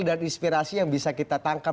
dan inspirasi yang bisa kita tangkap